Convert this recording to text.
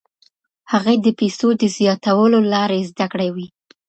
هغې د پیسو د زیاتولو لارې زده کړې وې.